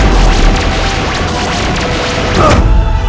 pergi kita lihat